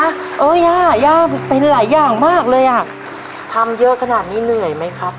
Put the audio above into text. เออย่าย่าเป็นหลายอย่างมากเลยอ่ะทำเยอะขนาดนี้เหนื่อยไหมครับ